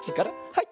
はい。